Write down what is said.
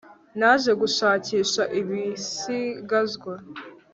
naje gushakisha ibisigazwa